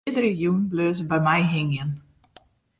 De fierdere jûn bleau se by my hingjen.